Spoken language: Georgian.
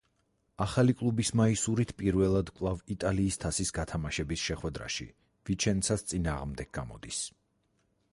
ახალი კლუბის მაისურით პირველად კვლავ იტალიის თასის გათამაშების შეხვედრაში „ვიჩენცას“ წინააღმდეგ გამოდის.